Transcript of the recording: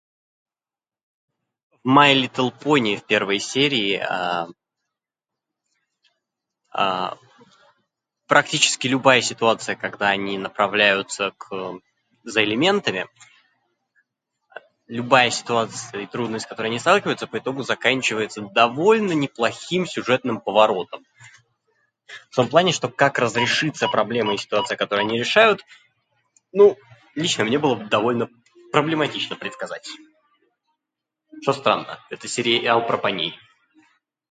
My little pony в первой серии а... а... практически любая ситуация, когда они направляются к за элементами. Любая ситуация и трудность, с которой они сталкиваются, по итогу заканчивается довольно неплохим сюжетным поворотом. В том плане, что как разрешится проблемная ситуация, которую они решают, ну, лично мне было довольно проблематично предсказать. Что странно, это сериал про поней...